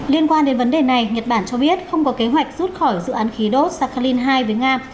liên quan đến vấn đề này nhật bản cho biết không có kế hoạch rút khỏi dự án khí đốt sakhalin hai với nga